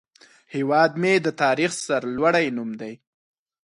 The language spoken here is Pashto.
هیواد مې د تاریخ سرلوړی نوم دی